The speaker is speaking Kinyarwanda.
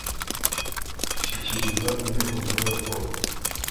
shyikiriza Inteko Nkuru raporo